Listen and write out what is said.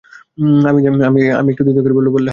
অমিত একটু দ্বিধা করে বললে, হাঁ।